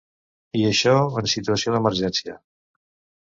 I això, en situació d’emergència!